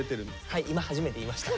はい今初めて言いました。